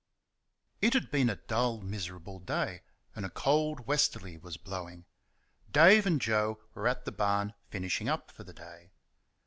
It had been a dull, miserable day, and a cold westerly was blowing. Dave and Joe were at the barn finishing up for the day.